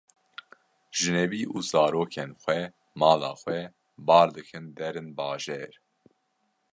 Jinebî û zarokên xwe mala xwe bar dikin derin bajêr